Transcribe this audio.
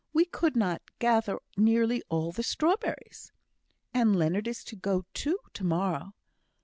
We could not gather nearly all the strawberries." "And Leonard is to go too, to morrow."